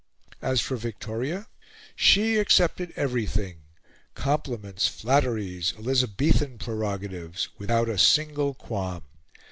As for Victoria, she accepted everything compliments, flatteries, Elizabethan prerogatives without a single qualm.